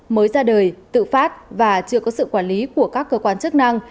mới ra đời tự phát và chưa có sự quản lý của các cơ quan chức năng